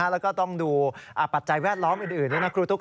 และก็ต้องดูอาบปัจจัยแวดล้อมอื่นนะครูทุกษ์